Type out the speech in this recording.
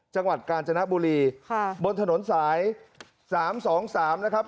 จังหวัดกาญจนบุรีค่ะบนถนนสายสามสองสามนะครับ